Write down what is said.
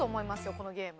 このゲーム。